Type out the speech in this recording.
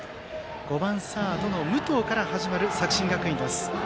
５番サードの武藤から始まる作新学院です。